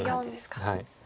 はい。